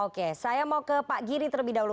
oke saya mau ke pak giri terlebih dahulu